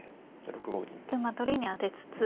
馬取りに当てつつ。